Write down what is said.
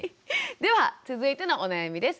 では続いてのお悩みです。